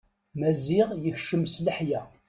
Maziɣ yekcem s leḥya.